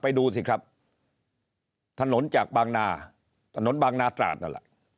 ดูสิครับถนนจากบางนาถนนบางนาตราดนั่นแหละ